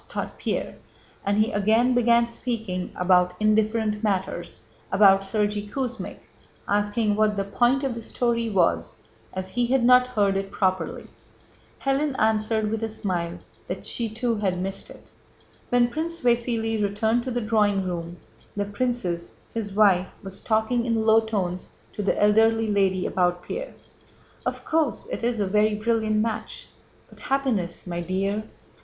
thought Pierre, and he again began speaking about indifferent matters, about Sergéy Kuzmích, asking what the point of the story was as he had not heard it properly. Hélène answered with a smile that she too had missed it. When Prince Vasíli returned to the drawing room, the princess, his wife, was talking in low tones to the elderly lady about Pierre. "Of course, it is a very brilliant match, but happiness, my dear..."